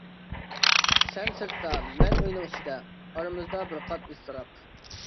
سەن سىرتتا، مەن ئۆينىڭ ئىچىدە، ئارىمىزدا بىر قات ئىزتىراپ.